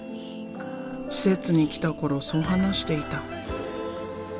施設に来た頃そう話していた。